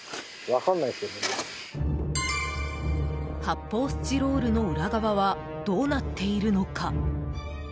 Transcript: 発泡スチロールの裏側はどうなっているのか。